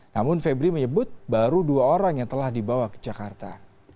namun febri menyebut baru dua orang yang telah dibawa ke jakarta